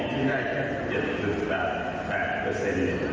คิดเป็นเปอร์เซ็นต์๓๓๓๔